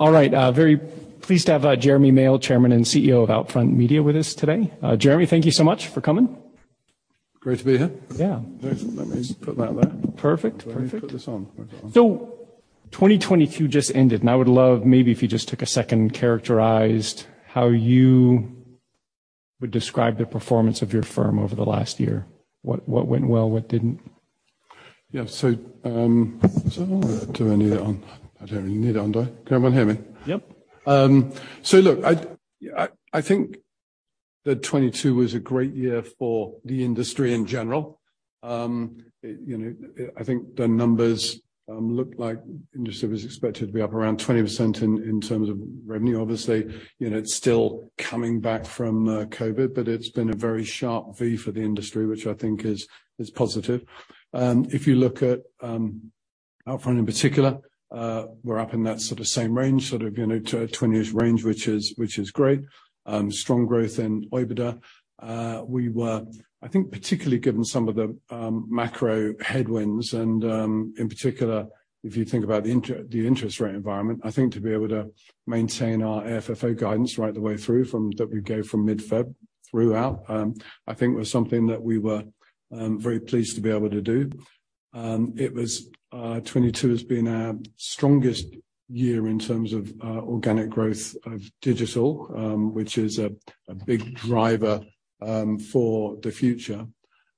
All right, very pleased to have, Jeremy Male, Chairman and CEO of Outfront Media with us today. Jeremy, thank you so much for coming. Great to be here. Yeah. Let me just put that there. Perfect. Perfect. Let me put this on. 2022 just ended, and I would love maybe if you just took a second and characterized how you would describe the performance of your firm over the last year. What, what went well, what didn't? Yeah. Do I need it on? I don't need it on, do I? Can everyone hear me? Yep. Look, I think that 2022 was a great year for the industry in general. You know, I think the numbers look like industry was expected to be up around 20% in terms of revenue. Obviously, you know, it's still coming back from COVID, but it's been a very sharp V for the industry, which I think is positive. If you look at Outfront in particular, we're up in that sort of same range, sort of, you know, 20 years range, which is great. Strong growth in OIBDA. We were I think particularly given some of the macro headwinds and, in particular, if you think about the interest rate environment, I think to be able to maintain our FFO guidance right the way through that we gave from mid-February throughout, I think was something that we were very pleased to be able to do. It was 2022 has been our strongest year in terms of organic growth of digital, which is a big driver for the future.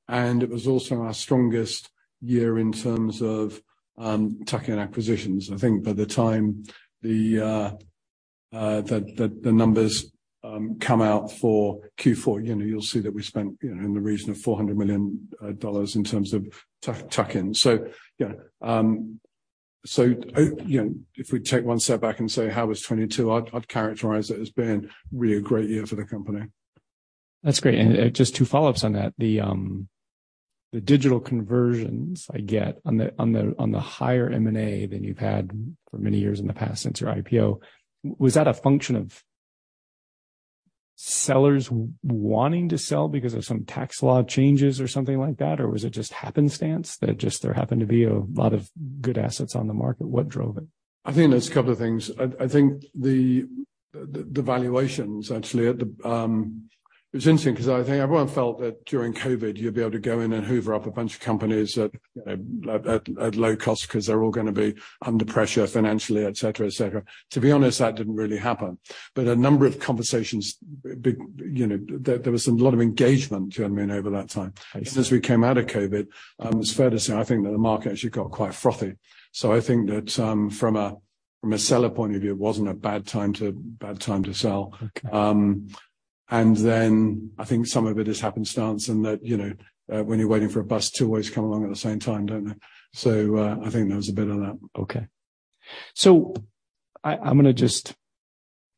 It was also our strongest year in terms of tuck-in acquisitions. I think by the time the numbers come out for Q4, you know, you'll see that we spent, you know, in the region of $400 million in terms of tuck-ins. You know, if we take one step back and say, how was 2022? I'd characterize it as being really a great year for the company. That's great. Just two follow-ups on that. The digital conversions I get on the higher M&A than you've had for many years in the past since your IPO. Was that a function of sellers wanting to sell because of some tax law changes or something like that? Or was it just happenstance that just there happened to be a lot of good assets on the market? What drove it? I think there's a couple of things. I think the valuations actually at the. It was interesting because I think everyone felt that during COVID, you'd be able to go in and hoover up a bunch of companies at, you know, at low cost because they're all gonna be under pressure financially, et cetera, et cetera. To be honest, that didn't really happen. A number of conversations, you know, there was a lot of engagement, do you know what I mean, over that time. I see. Since we came out of COVID, it's fair to say, I think that the market actually got quite frothy. I think that, from a seller point of view, it wasn't a bad time to sell. Okay. I think some of it is happenstance and that, you know, when you're waiting for a bus, two always come along at the same time, don't they? I think there was a bit of that. Okay. I'm gonna just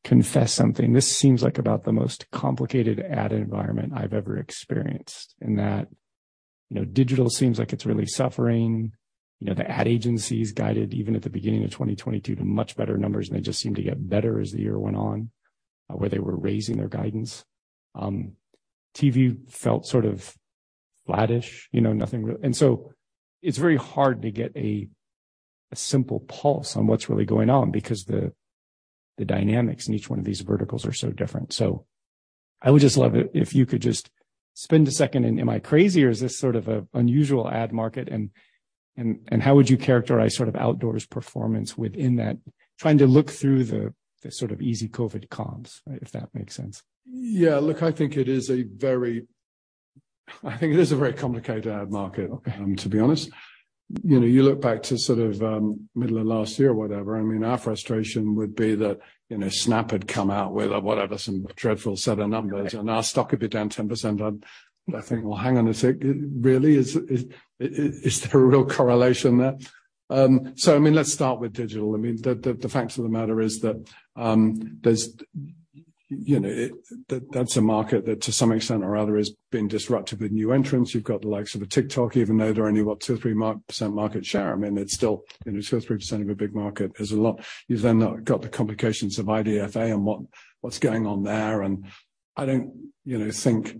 confess something. This seems like about the most complicated ad environment I've ever experienced in that, you know, digital seems like it's really suffering. You know, the ad agencies guided even at the beginning of 2022 to much better numbers, and they just seemed to get better as the year went on, where they were raising their guidance. TV felt sort of flattish, you know, nothing really. It's very hard to get a simple pulse on what's really going on because the dynamics in each one of these verticals are so different. I would just love it if you could just spend a second and am I crazy or is this sort of a unusual ad market? How would you characterize sort of outdoor's performance within that, trying to look through the sort of easy COVID comps, if that makes sense? Yeah. Look, I think it is a very complicated ad market. Okay. To be honest. You know, you look back to sort of, middle of last year or whatever, I mean, our frustration would be that, you know, Snap had come out with, whatever, some dreadful set of numbers, our stock would be down 10%. I think, well, hang on a sec. Really? Is there a real correlation there? I mean, let's start with digital. I mean, the, the fact of the matter is that, you know, it. That's a market that to some extent or other has been disrupted with new entrants. You've got the likes of a TikTok, even though they're only, what, 2% or 3% market share. I mean, it's still, you know, 2% or 3% of a big market. There's a lot. You've then got the complications of IDFA and what's going on there. I don't, you know, think,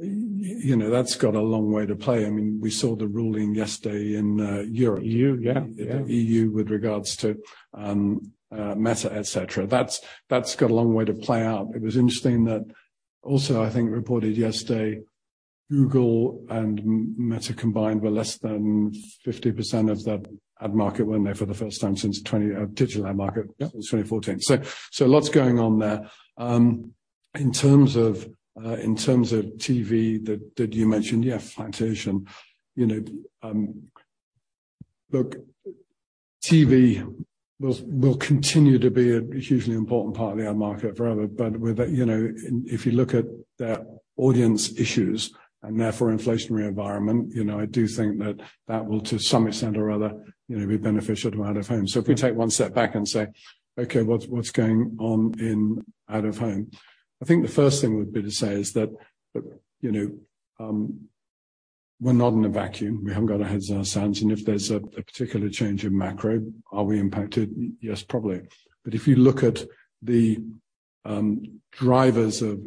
you know, that's got a long way to play. I mean, we saw the ruling yesterday in Europe. E.U., yeah. Yeah. The E.U. with regards to Meta, et cetera. That's got a long way to play out. It was interesting that also I think reported yesterday, Google and Meta combined were less than 50% of the ad market, weren't they, for the first time since digital ad market. Yep. since 2014. Lots going on there. In terms of, in terms of TV that you mentioned, yeah, flattish. You know, look, TV will continue to be a hugely important part of the ad market forever. With that, you know, and if you look at the audience issues and therefore inflationary environment, you know, I do think that will to some extent or other, you know, be beneficial to Out-of-Home. If we take one step back and say, okay, what's going on in Out-of-Home? I think the first thing would be to say is that, you know, we're not in a vacuum. We haven't got our heads in the sand, and if there's a particular change in macro, are we impacted? Yes, probably. If you look at the drivers of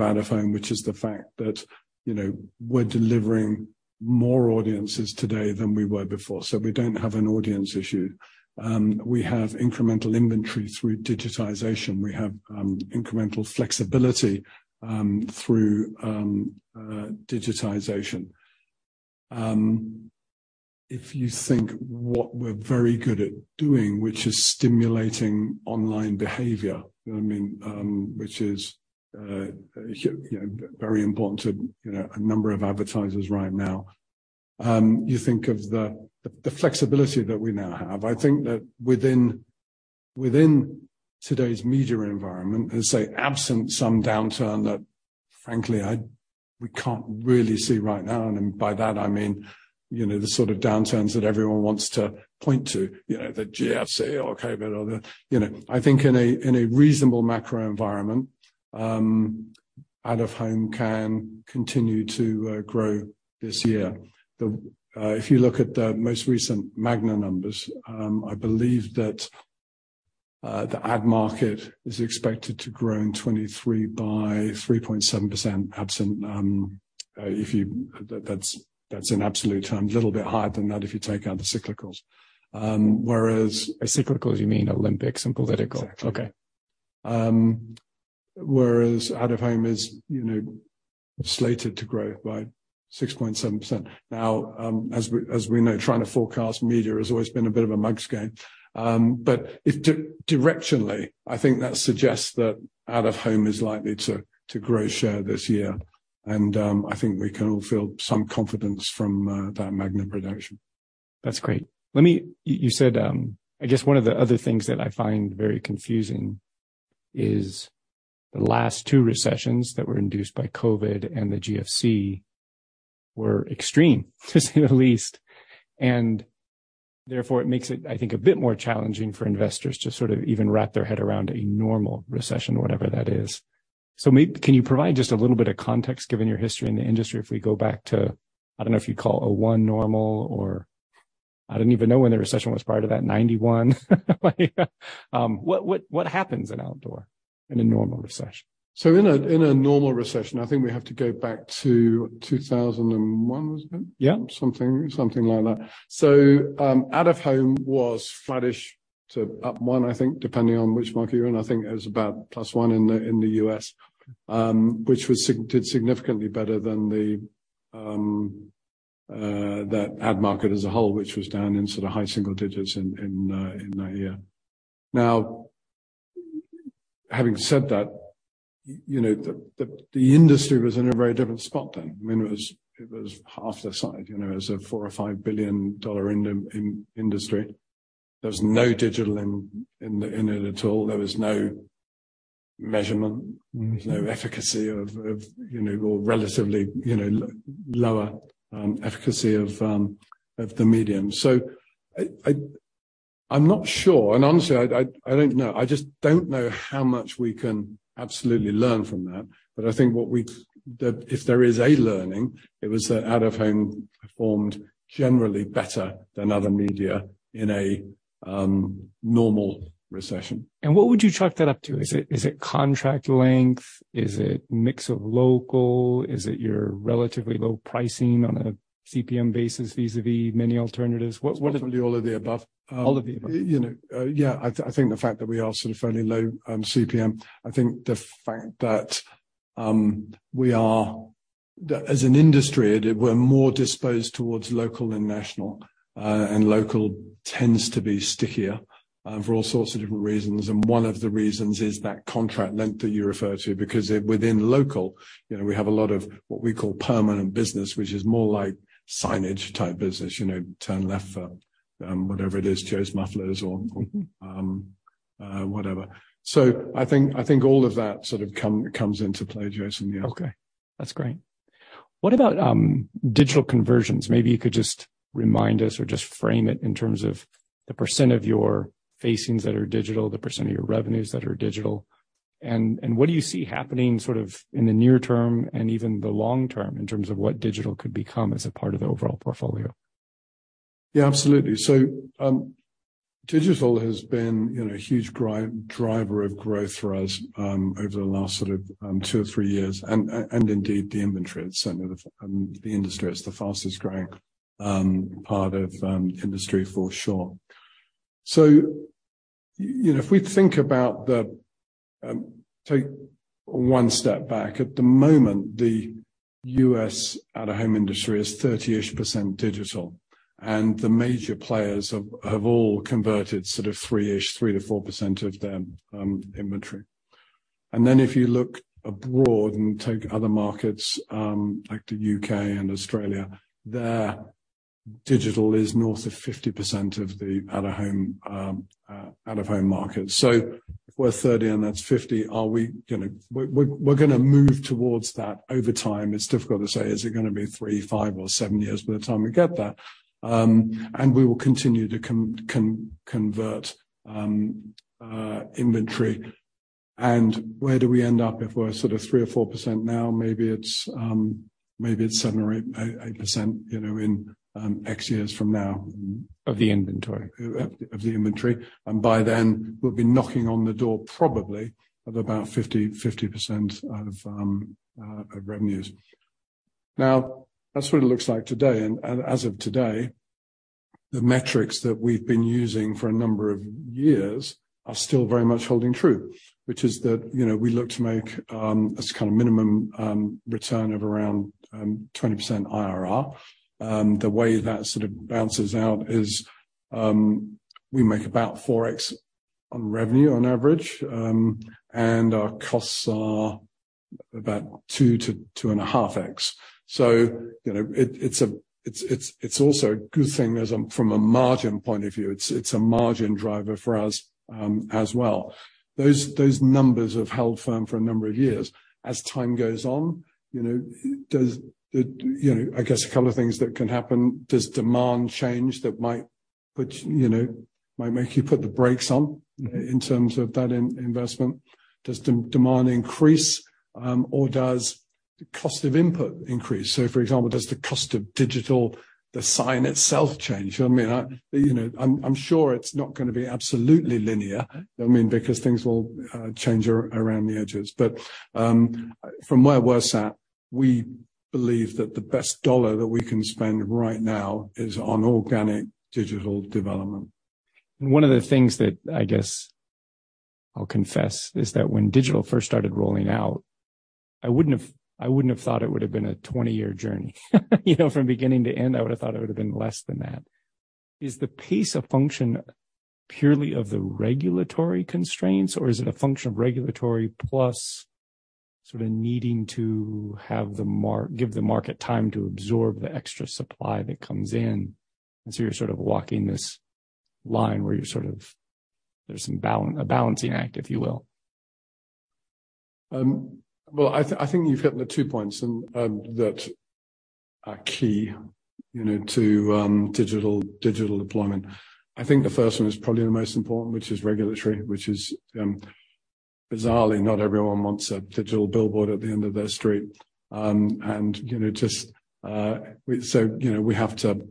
Out-of-Home, which is the fact that, you know, we're delivering more audiences today than we were before. We don't have an audience issue. We have incremental inventory through digitization. We have incremental flexibility through digitization. If you think what we're very good at doing, which is stimulating online behavior, you know what I mean, which is, you know, very important to, you know, a number of advertisers right now. You think of the flexibility that we now have. I think that within today's media environment, let's say absent some downturn that frankly we can't really see right now, and by that I mean, you know, the sort of downturns that everyone wants to point to, you know, the GFC, okay, but other, you know. I think in a reasonable macro environment, Out-of-Home can continue to grow this year. The if you look at the most recent Magna numbers, I believe that the ad market is expected to grow in 2023 by 3.7% absent that's an absolute term, little bit higher than that if you take out the cyclicals. Whereas. By cyclicals, you mean Olympics and political? Exactly. Okay. Whereas Out-of-Home is, you know, slated to grow by 6.7%. Now, as we know, trying to forecast media has always been a bit of a mug's game. But directionally, I think that suggests that Out-of-Home is likely to grow share this year. I think we can all feel some confidence from that Magna prediction. That's great. You said, I guess one of the other things that I find very confusing is the last two recessions that were induced by COVID and the GFC were extreme, to say the least. Therefore, it makes it, I think, a bit more challenging for investors to sort of even wrap their head around a normal recession, whatever that is. Can you provide just a little bit of context given your history in the industry if we go back to, I don't know if you'd call a one 2001 normal or I don't even know when the recession was prior to that, 1991? What happens in outdoor in a normal recession? In a normal recession, I think we have to go back to 2001, was it? Yeah. Something like that. Out-of-Home was flattish to up 1%, I think, depending on which market you're in. I think it was about +1% in the U.S., which did significantly better than the ad market as a whole, which was down in sort of high single digits in that year. Having said that, you know, the industry was in a very different spot then. I mean, it was half the size. You know, it was a $4 billion or $5 billion industry. There was no digital in it at all. There was no measurement. Mm-hmm. There was no efficacy of, you know, or relatively, you know, lower efficacy of the medium. I'm not sure, and honestly, I don't know. I just don't know how much we can absolutely learn from that. I think if there is a learning, it was that Out-of-Home performed generally better than other media in a normal recession. What would you chalk that up to? Is it, is it contract length? Is it mix of local? Is it your relatively low pricing on a CPM basis vis-à-vis many alternatives? What? It's probably all of the above. All of the above. You know, yeah, I think the fact that we are sort of fairly low CPM. I think the fact that as an industry, we're more disposed towards local than national, local tends to be stickier for all sorts of different reasons. One of the reasons is that contract length that you refer to, because within local, you know, we have a lot of what we call permanent business, which is more like signage-type business, you know, turn left for whatever it is, Joe's Mufflers or whatever. I think all of that sort of comes into play, Jason, yeah. Okay. That's great. What about digital conversions? Maybe you could just remind us or just frame it in terms of the percent of your facings that are digital, the percent of your revenues that are digital. What do you see happening sort of in the near term and even the long term in terms of what digital could become as a part of the overall portfolio? Yeah, absolutely. Digital has been, you know, a huge driver of growth for us over the last sort of two or three years. And indeed, the inventory, certainly the industry, it's the fastest growing part of industry for sure. You know, if we think about the, take one step back, at the moment, the U.S. Out-of-Home industry is 30% digital, and the major players have all converted sort of 3-ish, 3% or 4% of their inventory. If you look abroad and take other markets, like the U.K. and Australia, their digital is north of 50% of the Out-of-Home market. If we're 30% and that's 50%, we're gonna move towards that over time. It's difficult to say, is it gonna be three, five or seven years by the time we get there? We will continue to convert inventory. Where do we end up if we're sort of 3% or 4% now? Maybe it's 7% or 8%, you know, in X years from now. Of the inventory. Of the inventory, by then we'll be knocking on the door probably of about 50% of revenues. That's what it looks like today. As of today, the metrics that we've been using for a number of years are still very much holding true, which is that, you know, we look to make a kind of minimum return of around 20% IRR. The way that sort of balances out is, we make about 4x on revenue on average. Our costs are about 2x-2.5x. You know, it's also a good thing as from a margin point of view. It's a margin driver for us as well. Those numbers have held firm for a number of years. As time goes on, you know, does the, you know, I guess a couple of things that can happen. Does demand change that might put, you know, might make you put the brakes on in terms of that in-investment? Does demand increase, or does cost of input increase? For example, does the cost of digital, the sign itself change? I mean, you know, I'm sure it's not gonna be absolutely linear. I mean, because things will change around the edges. From where we're sat, we believe that the best dollar that we can spend right now is on organic digital development. One of the things that I guess I'll confess is that when digital first started rolling out, I wouldn't have thought it would have been a 20-year journey, you know, from beginning to end. I would have thought it would have been less than that. Is the pace a function purely of the regulatory constraints, or is it a function of regulatory plus sort of needing to give the market time to absorb the extra supply that comes in, and so you're sort of walking this line where you're sort of, there's a balancing act, if you will. Well, I think you've hit the two points and that are key, you know, to digital deployment. I think the first one is probably the most important, which is regulatory, which is bizarrely not everyone wants a digital billboard at the end of their street. You know, just, you know, we have to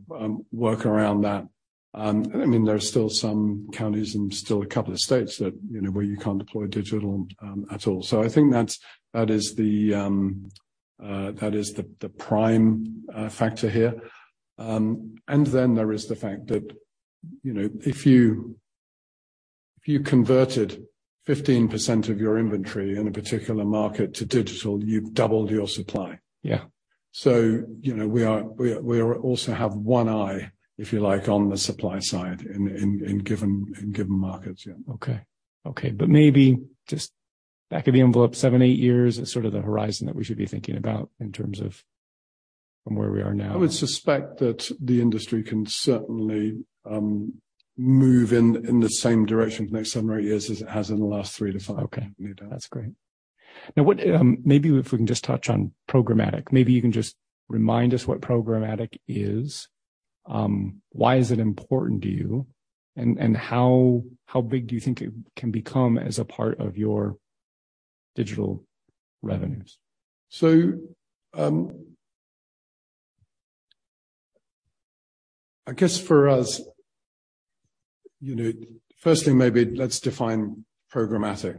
work around that. I mean, there are still some counties and still a couple of states that, you know, where you can't deploy digital at all. I think that is the prime factor here. There is the fact that, you know, if you, if you converted 15% of your inventory in a particular market to digital, you've doubled your supply. Yeah. you know, we are also have one eye, if you like, on the supply side in given markets. Yeah. Okay. Okay. Maybe just back of the envelope, seven, eight years is sort of the horizon that we should be thinking about in terms of from where we are now. I would suspect that the industry can certainly, move in the same direction for the next seven or eight years as in the last three to five years. Okay. That's great. Now, what, maybe if we can just touch on Programmatic. Maybe you can just remind us what Programmatic is. Why is it important to you? How big do you think it can become as a part of your digital revenues? I guess for us, you know, firstly, maybe let's define Programmatic.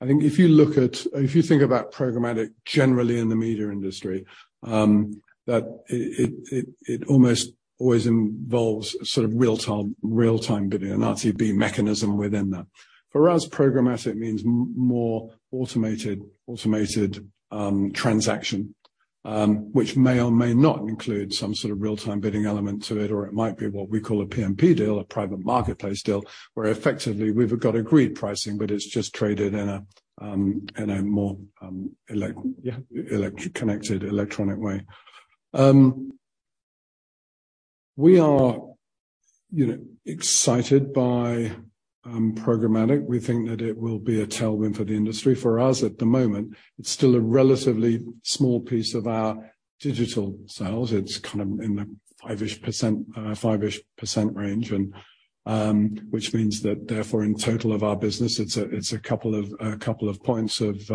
If you think about programmatic generally in the media industry, that it almost always involves sort of real-time bidding, an RTB mechanism within that. For us, Programmatic means more automated transaction, which may or may not include some sort of real-time bidding element to it, or it might be what we call a PMP deal, a private marketplace deal, where effectively we've got agreed pricing, but it's just traded in a more connected electronic way. Yeah We are, you know, excited by Programmatic. We think that it will be a tailwind for the industry. For us at the moment, it's still a relatively small piece of our digital sales. It's kind of in the 5% range, which means that therefore in total of our business, it's a couple of points of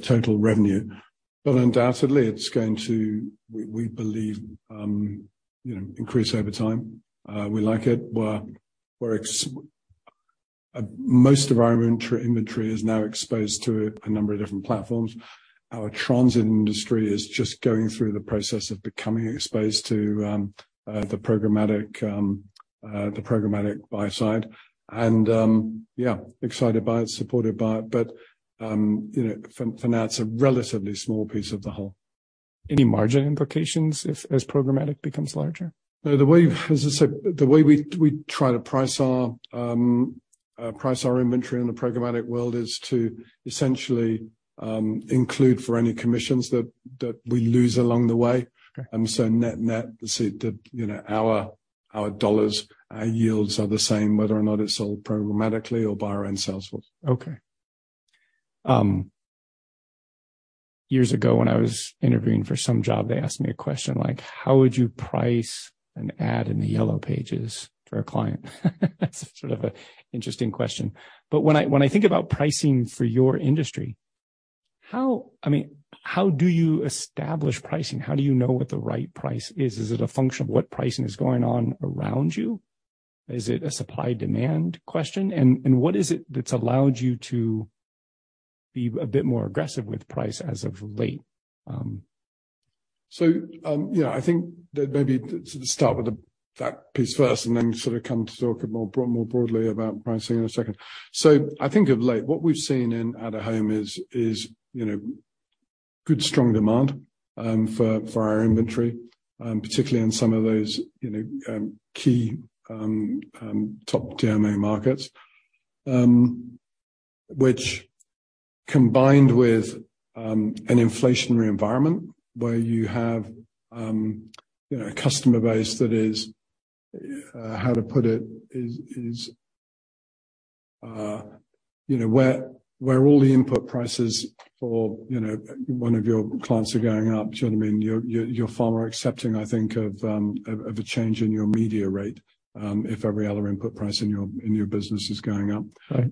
total revenue. Undoubtedly it's going to, we believe, you know, increase over time. We like it. Most of our inventory is now exposed to a number of different platforms. Our transit industry is just going through the process of becoming exposed to the Programmatic buy side. Yeah, excited by it, supported by it, but, you know, for now, it's a relatively small piece of the whole. Any margin implications if, as Programmatic becomes larger? No. The way, as I said, the way we try to price our inventory in the programmatic world is to essentially include for any commissions that we lose along the way. Okay. Net-net, the, you know, our dollars, our yields are the same whether or not it's sold programmatically or by our own sales force. Okay. Years ago, when I was interviewing for some job, they asked me a question like, "How would you price an ad in the Yellow Pages for a client?" That's sort of a interesting question. When I think about pricing for your industry, I mean, how do you establish pricing? How do you know what the right price is? Is it a function of what pricing is going on around you? Is it a supply demand question? And what is it that's allowed you to be a bit more aggressive with price as of late? Yeah, I think that maybe start with that piece first and then sort of come to talk more broadly about pricing in a second. I think of late, what we've seen in Out of Home is, you know, good strong demand for our inventory, particularly on some of those, you know, key top DMA markets. Which combined with an inflationary environment where you have, you know, a customer base that is, how to put it, is, you know, where all the input prices for, you know, one of your clients are going up. Do you know what I mean? You're far more accepting, I think, of a change in your media rate if every other input price in your business is going up. Right.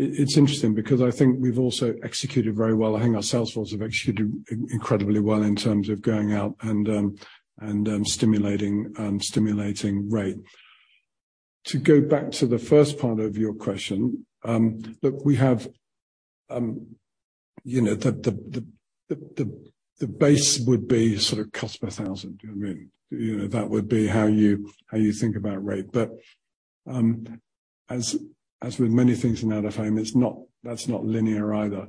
It's interesting because I think we've also executed very well. I think our sales force have executed incredibly well in terms of going out and stimulating rate. To go back to the first part of your question, look, we have, you know, the base would be sort of cost per thousand. Do you know what I mean? You know, that would be how you, how you think about rate. As with many things in Out of Home, it's not, that's not linear either.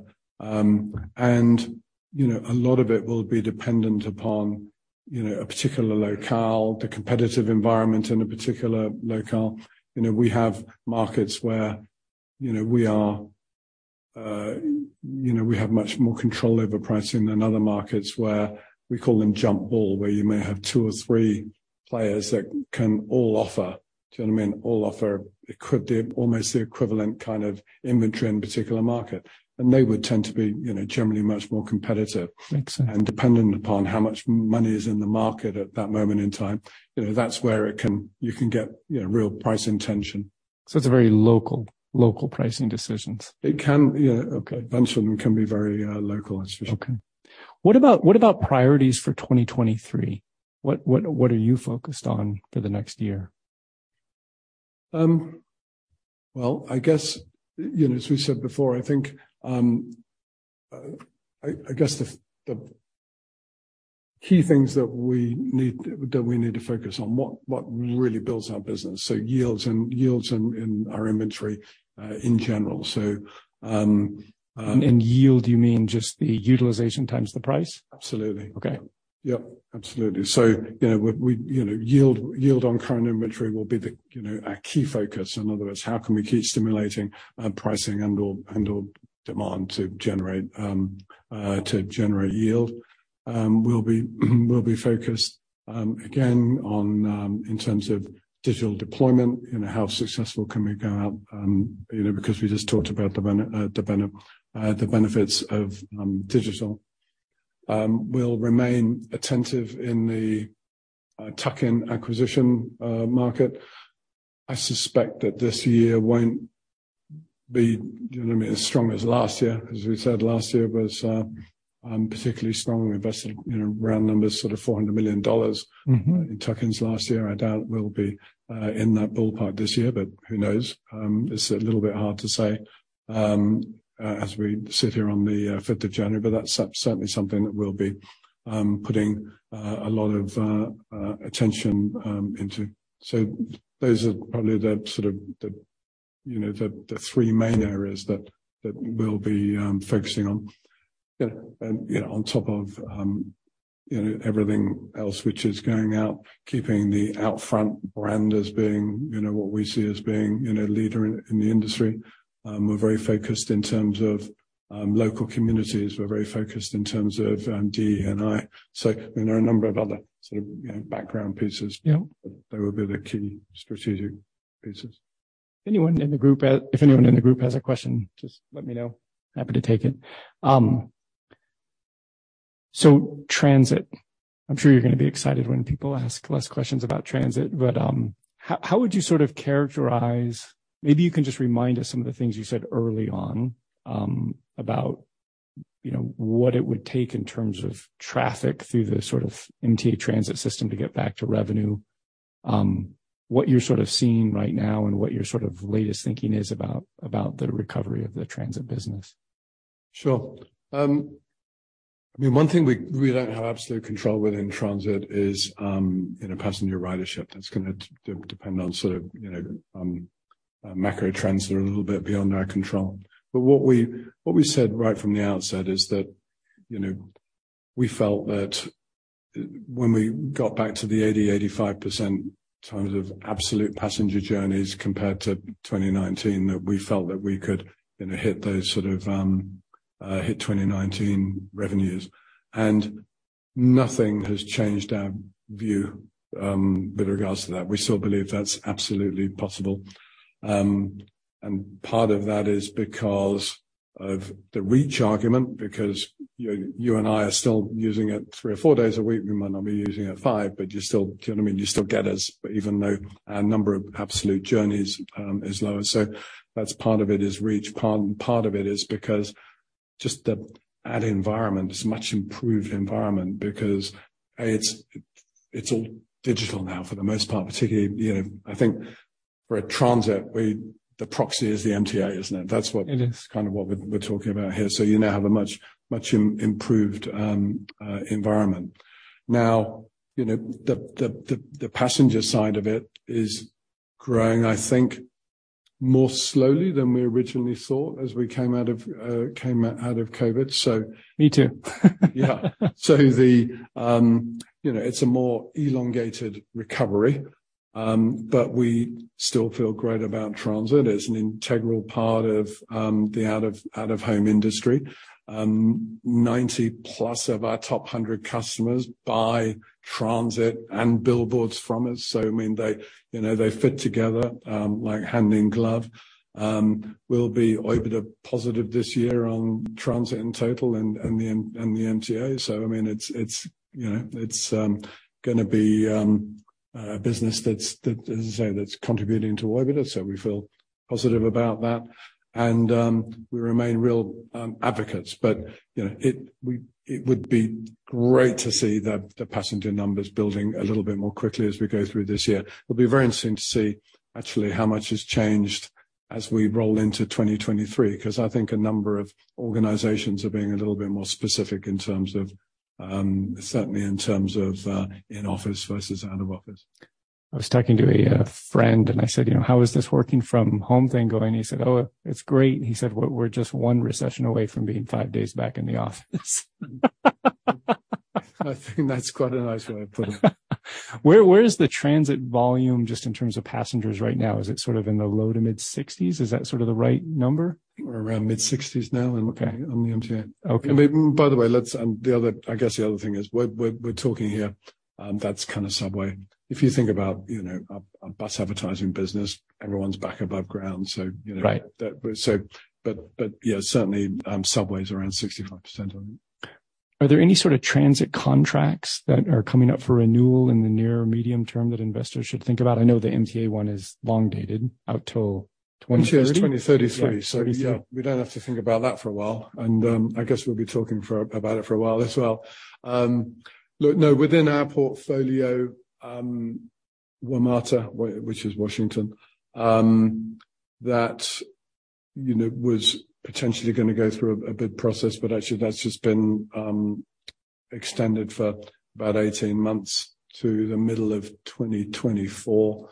You know, a lot of it will be dependent upon, you know, a particular locale, the competitive environment in a particular locale. You know, we have markets where, you know, we are, you know, we have much more control over pricing than other markets where we call them jump ball, where you may have two or three players that can all offer. Do you know what I mean? All offer almost the equivalent kind of inventory in a particular market. They would tend to be, you know, generally much more competitive. Makes sense. Dependent upon how much money is in the market at that moment in time. You know, that's where it can, you can get, you know, real price intention. It's a very local pricing decisions. It can, yeah. Okay. A bunch of them can be very localized. Okay. What about priorities for 2023? What are you focused on for the next year? Well, I guess, you know, as we said before, I think, I guess the key things that we need to focus on what really builds our business. Yields and yields in our inventory, in general. Yield, you mean just the utilization times the price? Absolutely. Okay. Yep, absolutely. You know, we, you know, yield on current inventory will be the, you know, our key focus. In other words, how can we keep stimulating pricing and, or demand to generate yield. We'll be focused again on in terms of digital deployment, you know, how successful can we go out, you know, because we just talked about the benefits of digital. We'll remain attentive in the tuck-in acquisition market. I suspect that this year won't be, do you know what I mean, as strong as last year. As we said, last year was particularly strong. We invested, you know, round numbers, sort of $400 million. Mm-hmm. In tuck-ins last year. I doubt we'll be in that ballpark this year, but who knows? It's a little bit hard to say as we sit here on the 5th of January, but that's certainly something that we'll be putting a lot of attention into. Those are probably the sort of the, you know, the three main areas that we'll be focusing on. You know, on top of, you know, everything else which is going out, keeping the Outfront brand as being, you know, what we see as being, you know, leader in the industry. We're very focused in terms of local communities. We're very focused in terms of DE&I. I mean, there are a number of other sort of, you know, background pieces. Yeah. They would be the key strategic pieces. If anyone in the group has a question, just let me know. Happy to take it. Transit, I'm sure you're gonna be excited when people ask less questions about Transit, how would you sort of characterize? Maybe you can just remind us some of the things you said early on, about, you know, what it would take in terms of traffic through the sort of MTA transit system to get back to revenue, what you're sort of seeing right now and what your sort of latest thinking is about the recovery of the Transit business? Sure. I mean, one thing we don't have absolute control within Transit is, you know, passenger ridership. That's gonna depend on sort of, you know, macro trends that are a little bit beyond our control. What we said right from the outset is that, you know, we felt that when we got back to the 80%-85% terms of absolute passenger journeys compared to 2019, that we felt that we could, you know, hit those sort of, hit 2019 revenues. Nothing has changed our view with regards to that. We still believe that's absolutely possible. Part of that is because of the reach argument, because you and I are still using it three or four days a week. We might not be using it five, but you still, do you know what I mean? You still get us, even though our number of absolute journeys is lower. That's part of it is reach. Part of it is because just the ad environment is much improved environment because it's all digital now for the most part, particularly, you know, I think for a Transit, we the proxy is the MTA, isn't it? That's what. It is. kind of what we're talking about here. You now have a much, much improved environment. Now, you know, the passenger side of it is growing, I think more slowly than we originally thought as we came out of came out of COVID. Me too. The, you know, it's a more elongated recovery. But we still feel great about Transit as an integral part of the Out-of-Home industry. 90+ of our top 100 customers buy transit and billboards from us, I mean, they, you know, they fit together like hand in glove. We'll be OIBDA positive this year on Transit in total and the MTA. I mean, it's, you know, it's gonna be a business that's, as I say, that's contributing to OIBDA, we feel positive about that. We remain real advocates. You know, it would be great to see the passenger numbers building a little bit more quickly as we go through this year. It'll be very interesting to see actually how much has changed as we roll into 2023, 'cause I think a number of organizations are being a little bit more specific in terms of, certainly in terms of, in-office versus out-of-office. I was talking to a friend, and I said, "You know, how is this working from home thing going?" He said, "Oh, it's great." He said, "We're just one recession away from being five days back in the office. I think that's quite a nice way of putting it. Where is the transit volume just in terms of passengers right now? Is it sort of in the low to mid-60s? Is that sort of the right number? We're around mid-60s now in on the MTA. Okay. By the way, I guess the other thing is we're talking here, that's kinda subway. If you think about, you know, a bus advertising business, everyone's back above ground, so, you know. Right. That, yeah, certainly, subways around 65% of it. Are there any sort of Transit contracts that are coming up for renewal in the near or medium term that investors should think about? I know the MTA one is long dated out till 2033? 2033. 2033. Yeah, we don't have to think about that for a while. I guess we'll be talking about it for a while as well. Look, no, within our portfolio, WMATA, which is Washington, that, you know, was potentially gonna go through a bid process, but actually that's just been extended for about 18 months to the middle of 2024.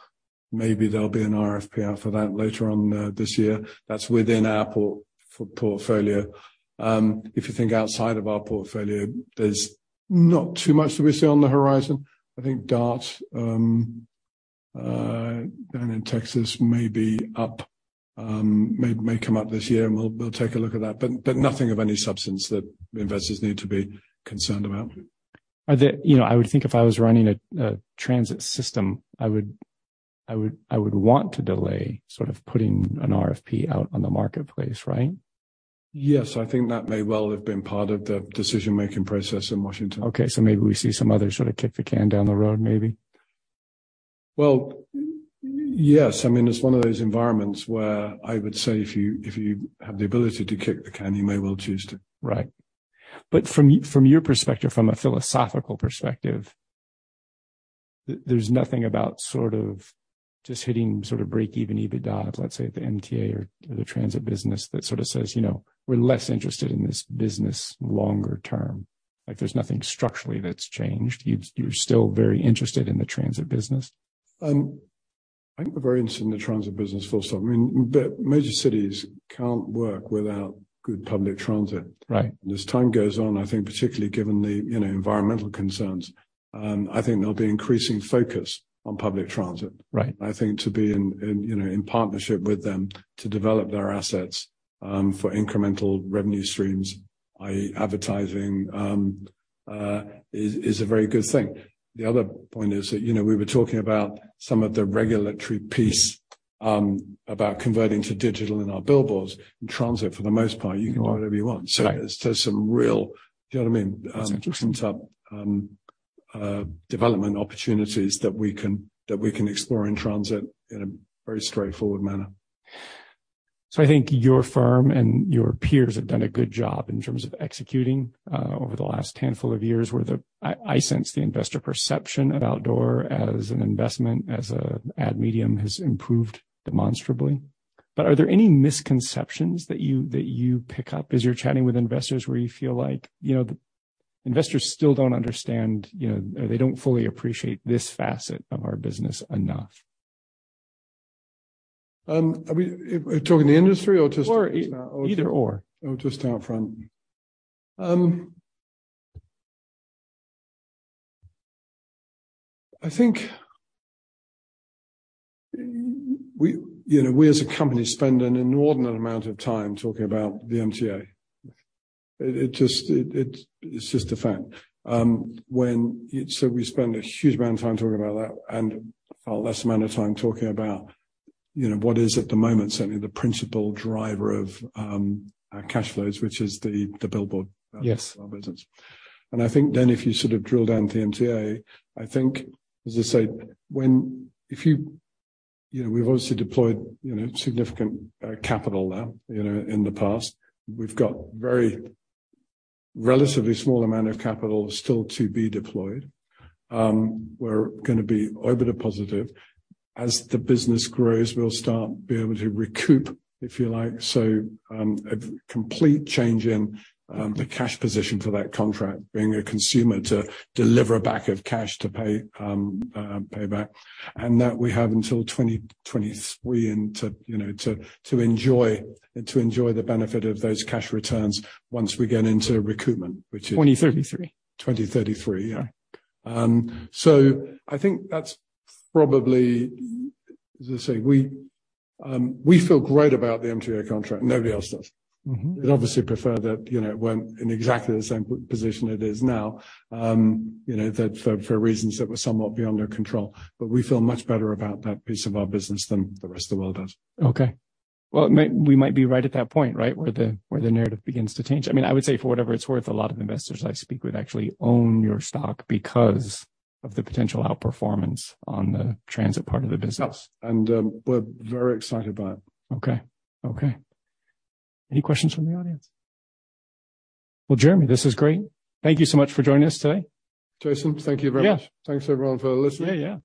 Maybe there'll be an RFP out for that later on this year. That's within our portfolio. If you think outside of our portfolio, there's not too much that we see on the horizon. I think DART down in Texas may come up this year, and we'll take a look at that, but nothing of any substance that investors need to be concerned about. You know, I would think if I was running a transit system, I would want to delay sort of putting an RFP out on the marketplace, right? Yes. I think that may well have been part of the decision-making process in Washington. Okay. Maybe we see some other sort of kick the can down the road, maybe. Well, yes. I mean, it's one of those environments where I would say if you have the ability to kick the can, you may well choose to. Right. From your perspective, from a philosophical perspective, there's nothing about sort of just hitting sort of break-even EBITDA, let's say at the MTA or the Transit business that sort of says, "You know, we're less interested in this business longer term." Like, there's nothing structurally that's changed. You're still very interested in the Transit business, so. I think we're very interested in the Transit business full stop. I mean, major cities can't work without good public transit. Right. As time goes on, I think particularly given the, you know, environmental concerns, I think there'll be increasing focus on public transit. Right. I think to be in, you know, in partnership with them to develop their assets, for incremental revenue streams, i.e. advertising, is a very good thing. The other point is that, you know, we were talking about some of the regulatory piece, about converting to digital in our billboards. In Transit, for the most part, you can do whatever you want. Right. Thats some real, do you know what I mean? That's interesting. Some development opportunities that we can explore in Transit in a very straightforward manner. I think your firm and your peers have done a good job in terms of executing, over the last handful of years, where I sense the investor perception of outdoor as an investment, as a ad medium has improved demonstrably. Are there any misconceptions that you, that you pick up as you're chatting with investors where you feel like, you know, the investors still don't understand, you know, or they don't fully appreciate this facet of our business enough? Are we, are we talking the industry or just us now? Either or. Oh, just Outfront. I think we, you know, we as a company spend an inordinate amount of time talking about the MTA. It just, it's just a fact. We spend a huge amount of time talking about that and a far less amount of time talking about, you know, what is at the moment certainly the principal driver of our cash flows, which is the billboard of our business Yes. I think then if you sort of drill down to the MTA, I think, as I say, when you know, we've obviously deployed, you know, significant capital there, you know, in the past. We've got very relatively small amount of capital still to be deployed. We're gonna be OIBDA positive. As the business grows, we'll start be able to recoup, if you like, so a complete change in the cash position for that contract, being a consumer to deliver a back of cash to pay back, and that we have until 2023 and to, you know, to enjoy the benefit of those cash returns once we get into recoupment, which is. 2033. 2033. Yeah. I think that's probably, as I say, we feel great about the MTA contract. Nobody else does. Mm-hmm. I'd obviously prefer that, you know, it weren't in exactly the same position it is now, you know, that for reasons that were somewhat beyond our control. We feel much better about that piece of our business than the rest of the world does. Okay. Well, we might be right at that point, right, where the narrative begins to change? I mean, I would say for whatever it's worth, a lot of investors I speak with actually own your stock because of the potential outperformance on the Transit part of the business. Yes. We're very excited about it. Okay. Okay. Any questions from the audience? Well, Jeremy, this is great. Thank you so much for joining us today. Jason, thank you very much. Yeah. Thanks, everyone, for listening. Yeah, yeah.